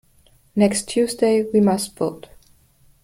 Next Tuesday we must vote.